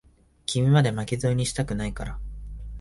君まで、巻き添えにしたくないから。